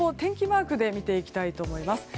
マークで見ていきたいと思います。